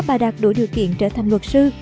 hai năm sau đó bà đạt đủ điều kiện trở thành luật sư